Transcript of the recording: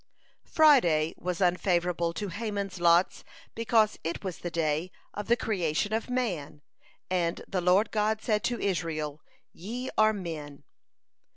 Friday was unfavorable to Haman's lots, because it was the day of the creation of man, and the Lord God said to Israel, "Ye are men."